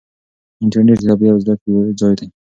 انټرنیټ د تفریح او زده کړې یو ځای دی.